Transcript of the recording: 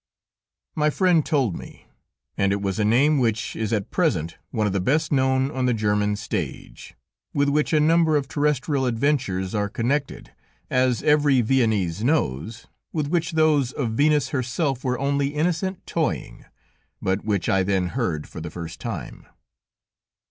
My friend told me, and it was a name which is at present one of the best known on the German stage, with which a number of terrestrial adventures are connected, as every Viennese knows, with which those of Venus herself were only innocent toying, but which I then heard for the first time.